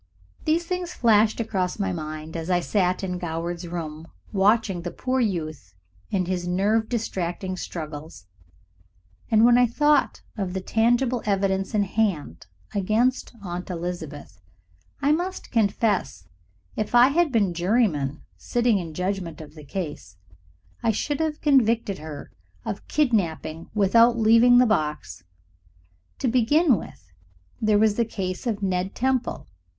These things flashed across my mind as I sat in Goward's room watching the poor youth in his nerve distracting struggles, and, when I thought of the tangible evidence in hand against Aunt Elizabeth, I must confess if I had been juryman sitting in judgment of the case I should have convicted her of kidnapping without leaving the box. To begin with, there was the case of Ned Temple.